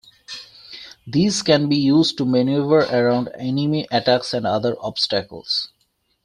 These can be used to maneuver around enemy attacks and other obstacles.